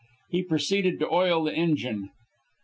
He proceeded to oil the engine.